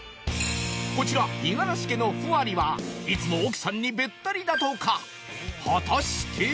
こちら五十嵐家のふありはいつも奥さんにべったりだとか果たして？